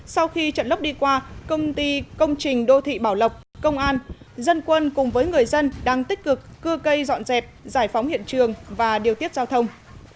sau khi trận lốc đi qua công ty công trình đô thị bảo lộc công an dân quân cùng với người dân đang tích cực cưa cây dọn dẹp giải phóng hiện trường và điều tiết giao thông